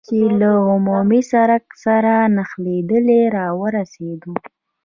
چې له عمومي سړک سره نښلېدل را ورسېدو.